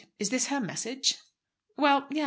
Is this her message?" "Well; yes.